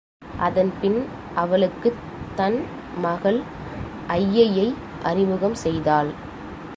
அதன்பின் அவளுக்குத் தன் மகள் ஐயையை அறிமுகம் செய்தாள்.